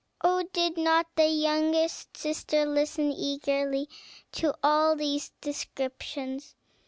Oh, did not the youngest sister listen eagerly to all these descriptions?